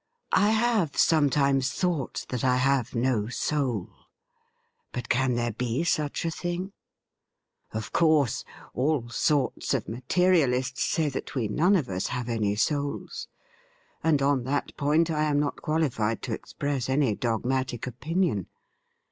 I have some times thought that I have no soul ; but can there be such a thing ? Of coiu se, all sorts of materialists say that we none of us have any souls, and on that point I am not qualified to express any dogmatic opinion.